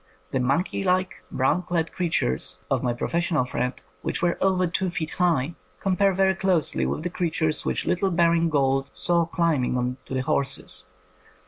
The monkey like, brown clad creatures of my professional friend, which were over two feet high, compare very closely with the creatures which little Baring Gould saw climbing on to the horses.